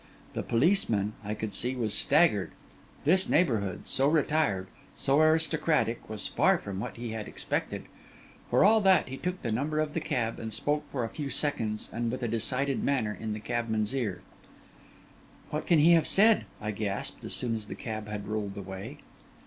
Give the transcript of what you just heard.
The policeman, I could see, was staggered. This neighbourhood, so retired, so aristocratic, was far from what he had expected. For all that, he took the number of the cab, and spoke for a few seconds and with a decided manner in the cabman's ear. 'What can he have said?' I gasped, as soon as the cab had rolled away.